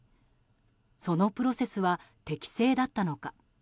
そのプロセスは適正だったのか。